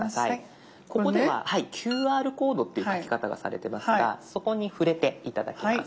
ここでは「ＱＲコード」っていう書き方がされてますがそこに触れて頂きます。